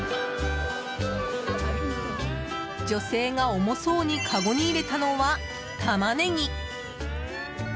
女性が重そうにかごに入れたのはタマネギ。